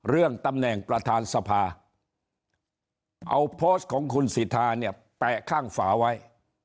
เรื่องตำแหน่งประธานสภาเอาโพสต์ของคุณสิทธาเนี่ยแปะข้างฝาไว้